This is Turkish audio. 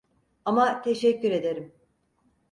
Ama teşekkür ederim.